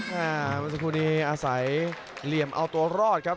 เมื่อสักครู่นี้อาศัยเหลี่ยมเอาตัวรอดครับ